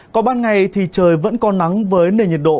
có ban ngày thì trời vẫn còn nắng với nền nhiệt độ